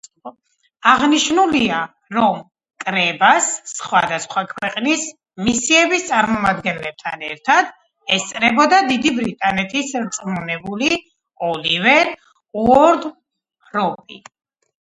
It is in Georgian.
აღნიშნულია, რომ კრებას, სხვადასხვა ქვეყნის მისიების წარმომადგენლებთან ერთად, ესწრებოდა დიდი ბრიტანეთის რწმუნებული ოლივერ უორდროპი.